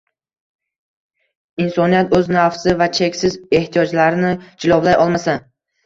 insoniyat o‘z nafsi va cheksiz ehtiyojlarini jilovlay olmasa